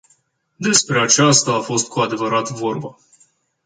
Despre aceasta a fost cu adevărat vorba.